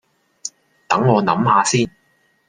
等我諗吓先